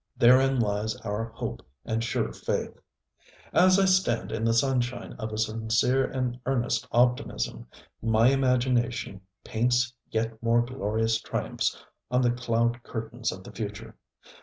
Therein lies our hope and sure faith. As I stand in the sunshine of a sincere and earnest optimism, my imagination ŌĆ£paints yet more glorious triumphs on the cloud curtain of the future.